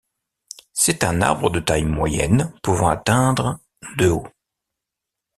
C'est un arbre de taille moyenne pouvant atteindre de haut.